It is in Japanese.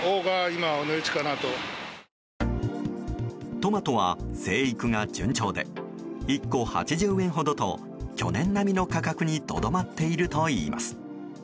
トマトは生育が順調で１個８０円ほどと去年並みの価格にとどまっているといいます。